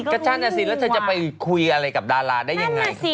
ก็นั่นน่ะสิแล้วเธอจะไปคุยอะไรกับดาราได้ยังไง